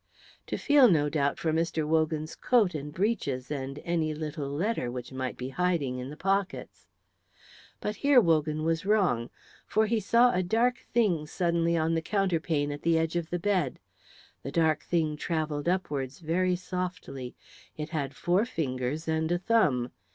To feel, no doubt, for Mr. Wogan's coat and breeches and any little letter which might be hiding in the pockets. But here Wogan was wrong. For he saw a dark thing suddenly on the counterpane at the edge of the bed. The dark thing travelled upwards very softly; it had four fingers and a thumb.